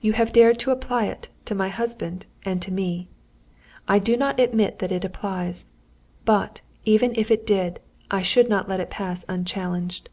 You have dared to apply it to my husband and to me. I do not admit that it applies. But, even if it did, I should not let it pass unchallenged.